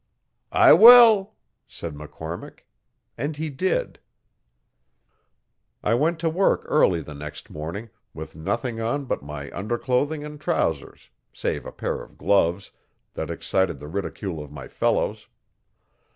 'I wall,' said McCormick, and he did. I went to work early the next morning, with nothing on but my underclothing and trousers, save a pair of gloves, that excited the ridicule of my fellows.